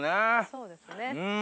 そうですね。